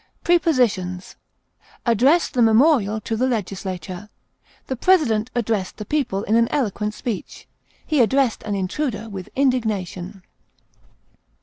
Prepositions: Address the memorial to the legislature; the president addressed the people in an eloquent speech; he addressed an intruder with indignation.